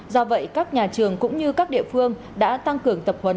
do vậy các nhà trường cũng như các địa phương đã tăng cường tập huấn